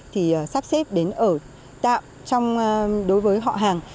thì sắp xếp đến ở tạo đối với họ hàng